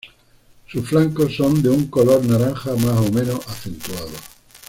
Sus flancos son de un color naranja más o menos acentuado.